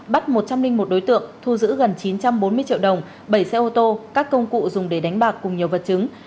bắt một trăm linh một đối tượng thu giữ gần chín trăm bốn mươi triệu đồng bảy xe ô tô các công cụ dùng để đánh bạc cùng nhiều vật chứng